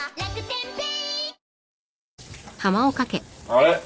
あれ？